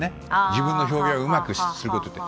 自分の表現をうまくすることって。